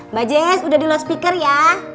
mbak jess udah di loudspeaker ya